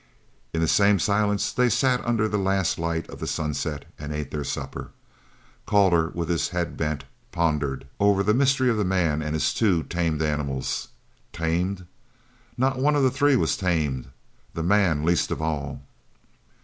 In the same silence they sat under the last light of the sunset and ate their supper. Calder, with head bent, pondered over the man of mystery and his two tamed animals. Tamed? Not one of the three was tamed, the man least of all.